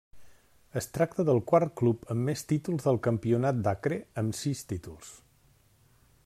Es tracta del quart club amb més títols del Campionat d'Acre amb sis títols.